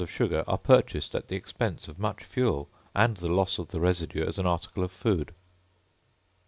of sugar are purchased at the expense of much fuel, and the loss of the residue as an article of food.